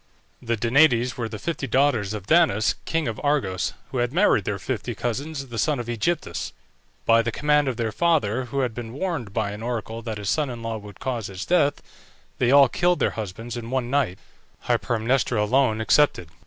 The DANAÏDES were the fifty daughters of Danaus, king of Argos, who had married their fifty cousins, the sons of Ægyptus. By the command of their father, who had been warned by an oracle that his son in law would cause his death, they all killed their husbands in one night, Hypermnestra alone excepted.